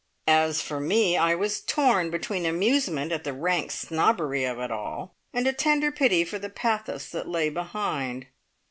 As for me, I was torn between amusement at the rank snobbery of it all, and a tender pity for the pathos that lay behind!